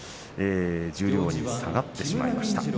十両に下がってしまいました。